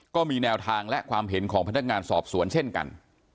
ก็มีแนวทางและความเห็นของพนักงานสอบสวนเช่นกัน